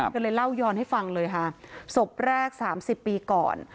เธอเลยเล่าย้อนให้ฟังเลยค่ะศพแรก๓๐ปีก่อน